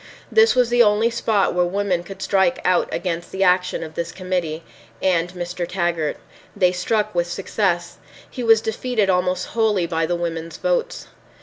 This was the only spot where women could strike out against the action of this committee—and Mr. Taggart. They struck with success. He was defeated almost wholly by the women's votes.